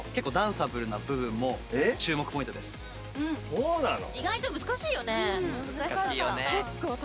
そうなの？